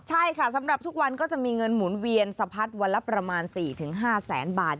ใช่ค่ะสำหรับทุกวันก็จะมีเงินหมุนเวียนสะพัดวันละประมาณ๔๕แสนบาท